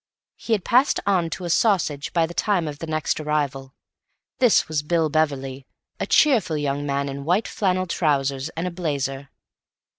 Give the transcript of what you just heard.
He had passed on to a sausage by the time of the next arrival. This was Bill Beverly, a cheerful young man in white flannel trousers and a blazer.